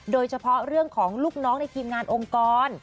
โดยเฉพาะเรื่องของลูกน้องในทีมงานองค์กร